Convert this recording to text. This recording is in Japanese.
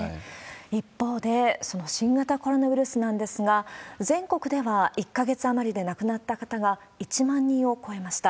一方で、その新型コロナウイルスなんですが、全国では、１か月余りで亡くなった方が１万人を超えました。